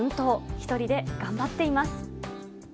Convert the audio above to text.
１人で頑張っています。